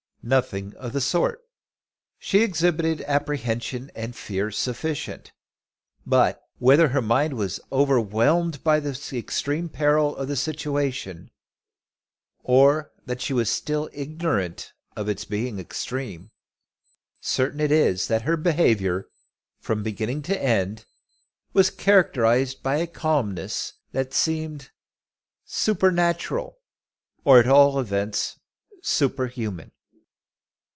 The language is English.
Nothing of the sort. She exhibited apprehension, fear sufficient; but whether her mind was overwhelmed by the extreme peril of the situation, or that she was still ignorant of its being extreme, certain it is that her behaviour, from beginning to end, was characterised by a calmness that seemed supernatural, or at all events superhuman.